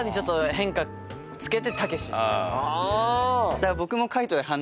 だから僕も。